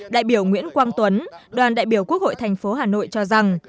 đại biểu nguyễn quang tuấn đoàn đại biểu quốc hội thành phố hà nội cho rằng